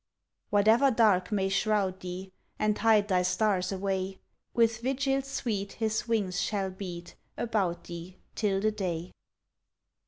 Whatever dark may shroud thee And hide thy stars away, With vigil sweet his wings shall beat About thee till the day.